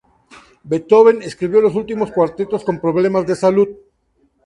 Beethoven escribió los últimos cuartetos con problemas de salud.